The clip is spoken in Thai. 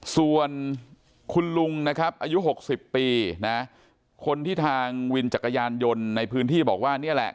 ส่วนคุณลุงนะครับอายุ๖๐ปีนะคนที่ทางวินจักรยานยนต์ในพื้นที่บอกว่านี่แหละ